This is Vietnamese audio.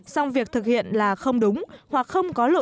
song việc thực hiện là không đúng hoặc không có lộ